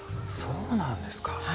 そうなんですか。